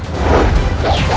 tidak mungkin nimas